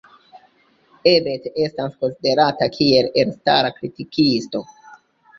Ebert estas konsiderata kiel elstara kritikisto.